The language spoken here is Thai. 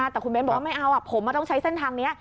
แต่คุณเบ้นบอกว่าไม่เอาผมต้องใช้เส้นทางนี้